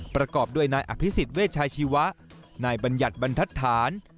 ประกอบด้วยนายอภิษฎเวชาชีวะนายบัญญัติบรรทัศน์